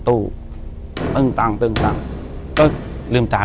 อยู่ที่แม่ศรีวิรัยิลครับ